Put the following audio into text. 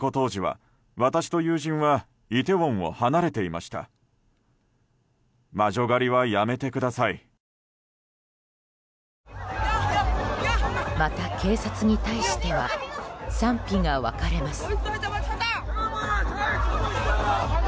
また、警察に対しては賛否が分かれます。